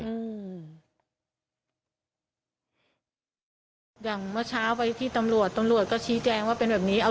อย่างเมื่อเช้าไปที่ตำรวจตำรวจก็ชี้แจงว่าเป็นแบบนี้